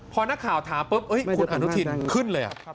พอนักข่าวถามปุ๊บคุณอนุทินขึ้นเลย